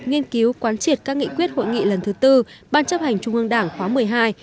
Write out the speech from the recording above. nghiên cứu quán triệt các nghị quyết hội nghị lần thứ tư ban chấp hành trung ương đảng khóa một mươi hai